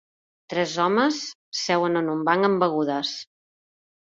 Tres homes seuen en un banc amb begudes.